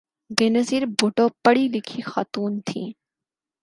بینظیر بھٹو پڑھی لکھی خاتون تھیں۔